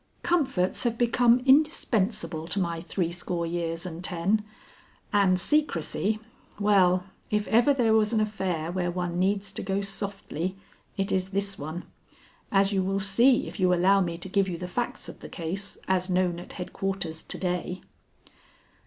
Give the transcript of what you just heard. Comforts have become indispensable to my threescore years and ten, and secrecy well, if ever there was an affair where one needs to go softly, it is this one; as you will see if you will allow me to give you the facts of the case as known at Headquarters to day."